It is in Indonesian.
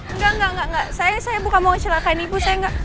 enggak enggak enggak enggak saya bukan mau kecelakaan ibu saya enggak